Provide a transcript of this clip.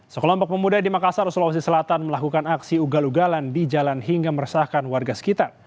sekelompok pemuda di makassar sulawesi selatan melakukan aksi ugal ugalan di jalan hingga meresahkan warga sekitar